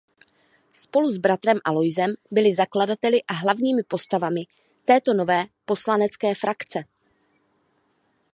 Spolu s bratrem Aloisem byli zakladateli a hlavními postavami této nové poslanecké frakce.